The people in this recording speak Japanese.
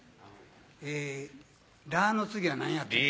え「ラ」の次は何やったっけ？